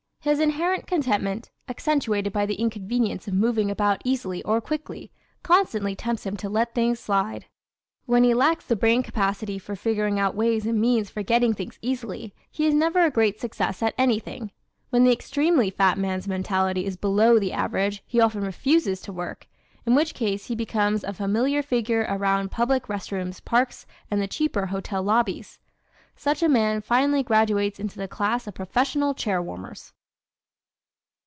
His inherent contentment, accentuated by the inconvenience of moving about easily or quickly, constantly tempts him to let things slide. When he lacks the brain capacity for figuring out ways and means for getting things easily he is never a great success at anything. When the extremely fat man's mentality is below the average he often refuses to work in which case he becomes a familiar figure around public rest rooms, parks and the cheaper hotel lobbies. Such a man finally graduates into the class of professional chair warmers.